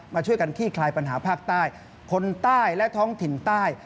มาช่วยกันขี้คลายปัญหาภาคใต้คนใต้และท้องถิ่นใต้